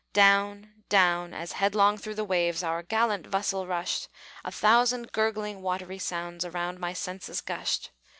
Down, down, as headlong through the waves Our gallant vessel rushed, A thousand gurgling, watery sounds Around my senses gushed.